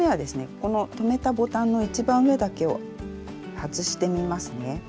この留めたボタンの一番上だけを外してみますね。